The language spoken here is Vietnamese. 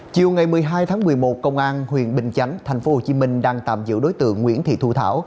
chiều ngày một mươi hai tháng một mươi một công an huyện bình chánh tp hcm đang tạm giữ đối tượng nguyễn thị thu thảo